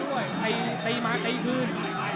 ใต้มาใต้คืน